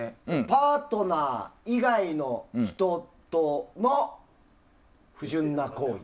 パートナー以外の人との不純な行為。